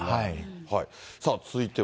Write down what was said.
さあ続いては。